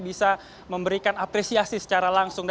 bisa memberikan apresiasi secara langsung